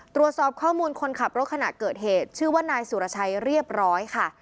ตรวจสอบข้อมูลคนขับรถขณะเกิดเหตุชื่อว่านายสุรชัยเรียบร้อยค่ะ